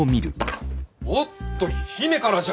おっと姫からじゃ！